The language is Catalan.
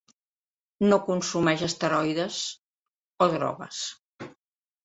No consumeix esteroides o drogues.